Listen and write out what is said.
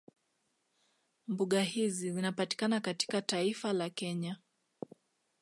Mbuga hizi zinapatikana katika taifa la Kenya